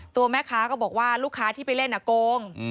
ตัวแม่ค้าก็บอกว่าลูกค้าที่ไปเล่นโกง